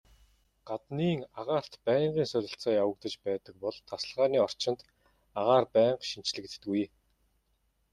Гаднын агаарт байнгын солилцоо явагдаж байдаг бол тасалгааны орчинд агаар байнга шинэчлэгддэггүй.